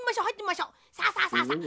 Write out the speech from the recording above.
さあさあさあさあ。